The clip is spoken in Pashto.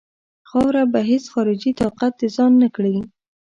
خاوره به هیڅ خارجي طاقت د ځان نه کړي.